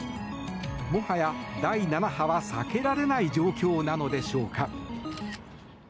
もはや、第７波は避けられない状況なのでしょうか？